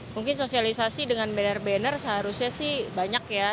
mungkin sosialisasi dengan banner banner seharusnya sih banyak ya